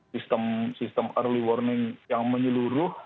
sistem sistem early warning yang menyeluruh